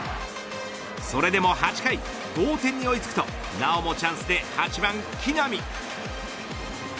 それでも８回同点に追い付くとなおもチャンスで８番、木浪。